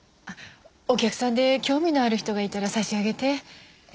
お客さんで興味のある人がいたら差し上げて。